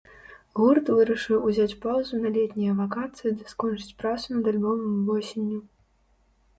Гурт вырашыў узяць паўзу на летнія вакацыі ды скончыць працу над альбомам восенню.